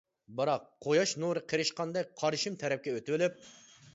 بىراق قۇياش نۇرى قېرىشقاندەك قارشىم تەرەپكە ئۆتۈۋېلىپ.